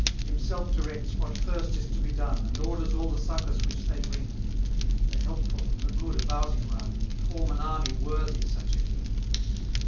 243 Himself directs what first is to be done, And orders all the succours which they bring, The helpful and the good about him run, And form an army worthy such a king.